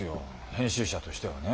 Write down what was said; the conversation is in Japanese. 編集者としてはね。